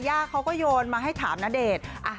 เขาก็โยนมาให้ถามณเดชน์